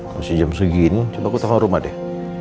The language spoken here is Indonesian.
masih jam segini coba aku telepon rumah deh